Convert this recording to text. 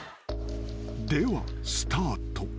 ［ではスタート］